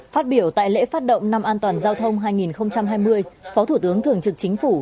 phát biểu tại lễ phát động năm an toàn giao thông hai nghìn hai mươi phó thủ tướng thường trực chính phủ